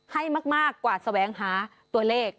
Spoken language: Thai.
ให้มากกว่าแสวงหาตัวเลข